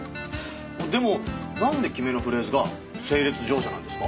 でもなんで決めのフレーズが「整列乗車」なんですか？